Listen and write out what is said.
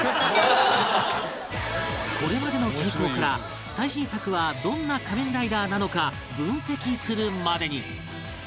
これまでの傾向から最新作はどんな仮面ライダーなのか分析するまでに